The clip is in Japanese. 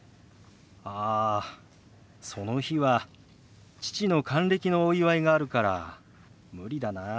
ああその日は父の還暦のお祝いがあるから無理だな。